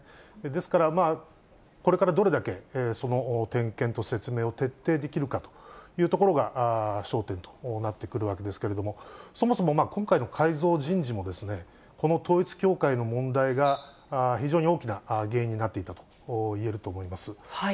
ですから、これからどれだけ、その点検と説明を徹底できるかというところが焦点となってくるわけですけれども、そもそも今回の改造人事も、この統一教会の問題が、非常に大きな原因になっていたといえると思います。